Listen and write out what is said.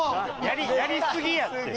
やりすぎやって。